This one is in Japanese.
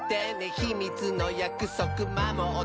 「ひみつのやくそくまもったら」